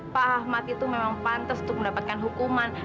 pak ahmad itu memang pantas untuk mendapatkan hukuman